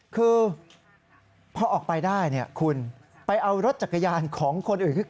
คือพอออกไปได้เนี่ยคุณไปเอารถจักรยานของคนอื่น